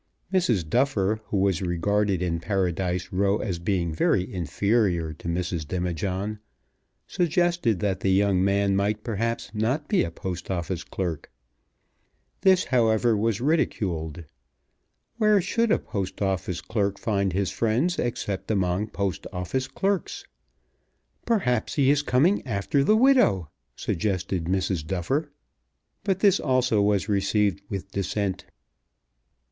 Mrs. Duffer, who was regarded in Paradise Row as being very inferior to Mrs. Demijohn, suggested that the young man might, perhaps, not be a Post Office clerk. This, however, was ridiculed. Where should a Post Office clerk find his friends except among Post Office clerks? "Perhaps he is coming after the widow," suggested Mrs. Duffer. But this also was received with dissent. Mrs.